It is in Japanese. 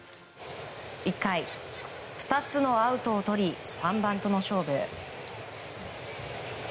１回、２つのアウトを取り３番との勝負。